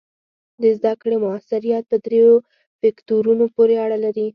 د زده کړې مؤثریت په دریو فکتورونو پورې اړه لري.